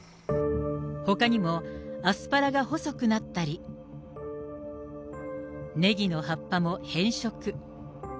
ほかにもアスパラが細くなったり、ねぎの葉っぱも変色。